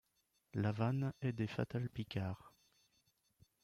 La vanne est des Fatals Picards.